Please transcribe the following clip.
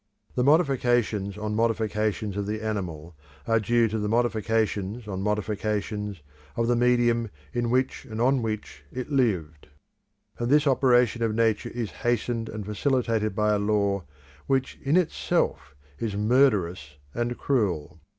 The modifications on modifications of the animal are due to the modifications on modifications of the medium in which and on which it lived. And this operation of Nature is hastened and facilitated by a law which in itself is murderous and cruel.